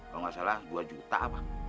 kalau gak salah dua juta pak